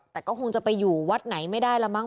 แต่ก็คงจะไปอยู่วัดไหนไม่ได้แล้วมั้